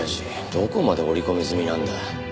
どこまで織り込み済みなんだ？